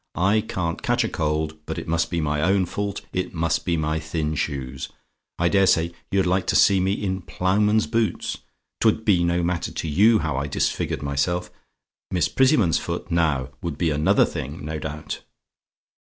I can't catch a cold, but it must be my own fault it must be my thin shoes. I daresay you'd like to see me in ploughman's boots; 'twould be no matter to you how I disfigured myself. Miss Prettyman's foot, NOW, would be another thing no doubt.